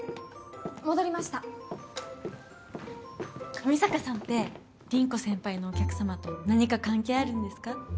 上坂さんって凛子先輩のお客様と何か関係あるんですか？